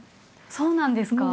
そうなんですか？